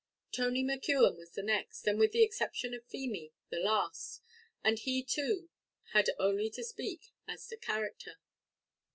Tony McKeon was the next, and with the exception of Feemy, the last; and he too had only to speak as to character.